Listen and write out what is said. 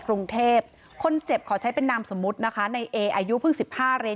กรุงเทพคนเจ็บขอใช้เป็นนามสมมุตินะคะในเออายุเพิ่งสิบห้าเรียน